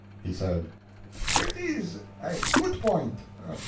He said: "It is a good point.